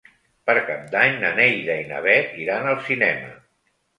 Per Cap d'Any na Neida i na Bet iran al cinema.